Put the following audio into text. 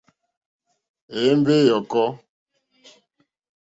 Èyémbé ǃyɔ́kɔ́.